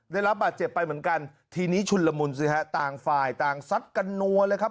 ได้รับบาดเจ็บไปเหมือนกันทีนี้ชุนละมุนสิฮะต่างฝ่ายต่างซัดกันนัวเลยครับ